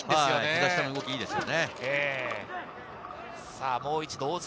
股下の動きがいいですよね。